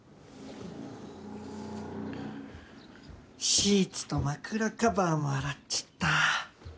シーツと枕カバーも洗っちったぁ。